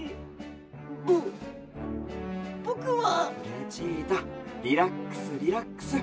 ルチータリラックスリラックス。